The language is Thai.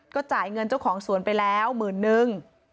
ก็จ่ายเงินเจ้าของสวนไปแล้วหมื่นนึง